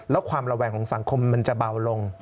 แล้วความระแวงของสังคมมันจะเบาลง